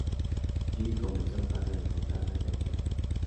Yi comenzó actuando en Fontana, California.